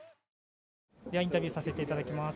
インタビューさせていただきます。